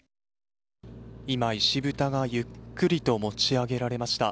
今、石ぶたがゆっくりと持ち上げられました。